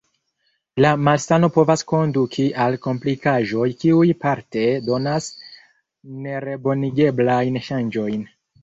La malsano povas konduki al komplikaĵoj, kiuj parte donas nerebonigeblajn ŝanĝojn.